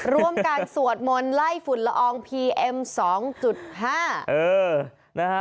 ร่วมการสวดมนต์ไล่ฝุ่นละอองพีเอ็มสองจุดห้าเออนะฮะ